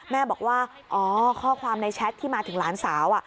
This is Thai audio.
แม่บอกว่าอ๋อข้อความในแชทที่มาถึงหลานสาว